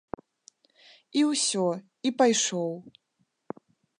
І ўсё, і пайшоў.